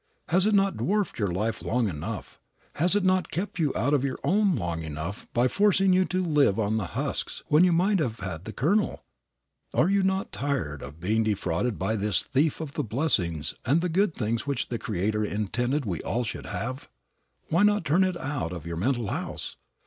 Has it not dwarfed your life long enough, has it not kept you out of your own long enough by forcing you to live on the husks when you might have had the kernel? Are you not about tired of being defrauded by this thief of the blessings and the good things which the Creator intended we all should have? Why not turn it out of your mental house?